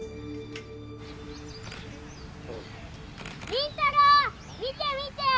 ・倫太郎見て見て！